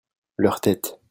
leur tête.